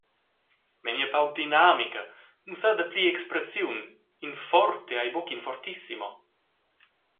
Memia pauc dinamica, mussar dapli expressiun, in forte ei buc in fortissimo.